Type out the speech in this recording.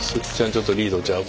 ちょっとリードちゃう？